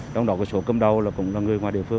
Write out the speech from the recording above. trong đó số cầm đầu cũng là người ngoài địa phương